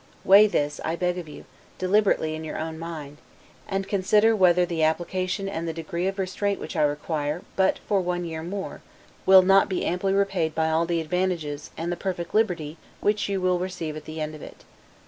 Weigh this, I beg of you, deliberately in your own mind; and consider whether the application and the degree of restraint which I require but for one year more, will not be amply repaid by all the advantages, and the perfect liberty, which you will receive at the end of it.